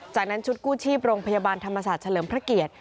จากนั้นชุดกู้ชีพโรงพยาบาลธรรมศาสตร์เฉลิมพระเกียรติ